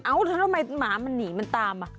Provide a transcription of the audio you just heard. ทำไมหมามันหนีมันตาม